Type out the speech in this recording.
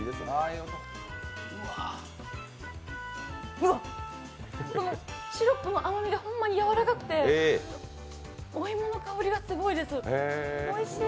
うわっ、シロップの甘みがほんまにやわらかくてお芋の香りがすごいです、おいしい。